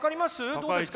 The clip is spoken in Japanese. どうですか？